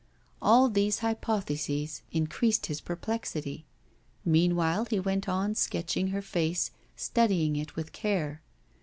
All these hypotheses increased his perplexity. Meanwhile, he went on sketching her face, studying it with care.